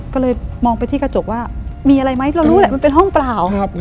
ก็เลยมองไปที่กระจกว่ามีอะไรไหมเรารู้แหละมันเป็นห้องเปล่า